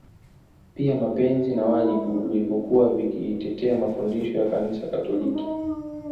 Pia mapenzi na wajibu vilivyokuwa vikitetea mafundisho ya Kanisa Katoliki